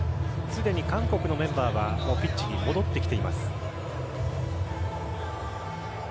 すでに韓国のメンバーはもうピッチに戻ってきています。